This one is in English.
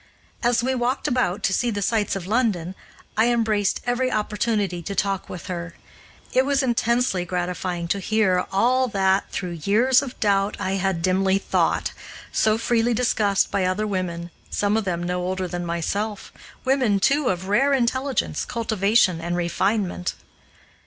As we walked about to see the sights of London, I embraced every opportunity to talk with her. It was intensely gratifying to hear all that, through years of doubt, I had dimly thought, so freely discussed by other women, some of them no older than myself women, too, of rare intelligence, cultivation, and refinement.